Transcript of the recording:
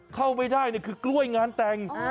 เข้าไม่ได้คือกล้วยงานแต่ง